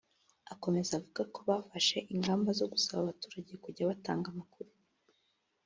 Akomeza avuga ko bafashe ingamba zo gusaba abaturage kujya batanga amakuru